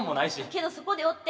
けどそこでおって。